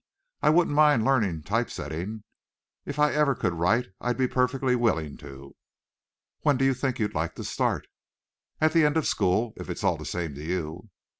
I wouldn't mind learning type setting. If I ever could write I'd be perfectly willing to." "When do you think you'd like to start?" "At the end of school, if it's all the same to you."